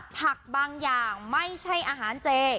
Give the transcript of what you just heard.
บางอย่างไม่ใช่อาหารเจ